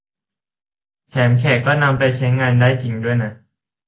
แถมแขกก็นำไปใช้งานได้จริงด้วยนะ